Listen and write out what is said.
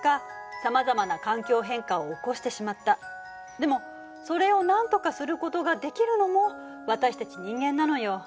でもそれをなんとかすることができるのも私たち人間なのよ。